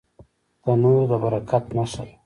تنور د برکت نښه ده